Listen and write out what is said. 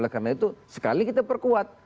karena itu sekali kita perkuat